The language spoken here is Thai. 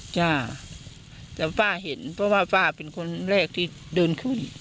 จ้าแต่ป้าเห็นเพราะว่าป้าเป็นคนแรกที่เดินขึ้น